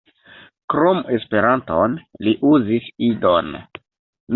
Krom Esperanton, li uzis Idon.